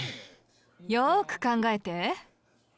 よく考えて。